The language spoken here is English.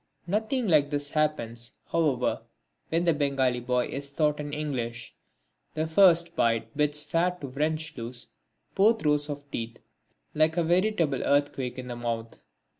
Nothing like this happens, however, when the Bengali boy is taught in English. The first bite bids fair to wrench loose both rows of teeth like a veritable earthquake in the mouth!